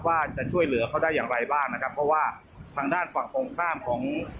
ว่าจะช่วยเหลือเขาได้อย่างไรบ้างนะครับเพราะว่าทางด้านฝั่งตรงข้ามของ